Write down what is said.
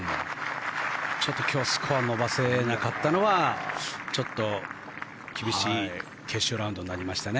ちょっと今日はスコアを伸ばせなかったのは決勝ラウンドになりましたね。